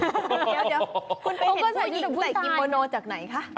เดี๋ยวคุณไปเห็นผู้หญิงใส่กิโมโนจากไหนคะ